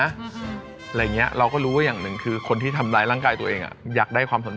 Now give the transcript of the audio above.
อะไรอย่างเงี้ยเราก็รู้ว่าอย่างหนึ่งคือคนที่ทำร้ายร่างกายตัวเองอ่ะอยากได้ความสนใจ